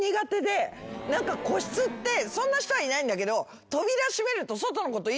個室ってそんな人はいないんだけど扉閉めると。